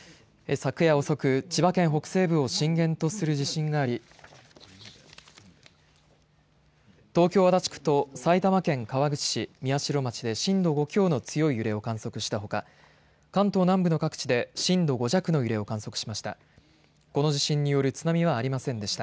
昨夜遅く千葉県北西部を震源とする地震があり東京、足立区と埼玉県川口市宮代町で震度５強の強い揺れを観測したほか関東南部の各地で震度５弱の揺れを観測しました。